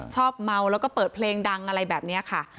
ชอบเมาแล้วก็เปิดเพลงดังอะไรแบบนี้ค่ะ